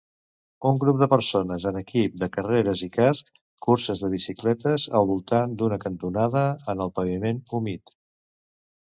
Un grup de persones en equip de carreres i cascs curses de bicicletes al voltant d'una cantonada en el paviment humit